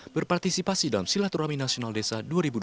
berpartisipasi dalam silaturahmi nasional desa dua ribu dua puluh